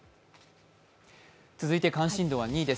続いて関心度は２位です。